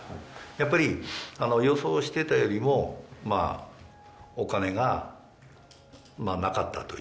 やっぱり予想していたよりもまあお金がなかったという。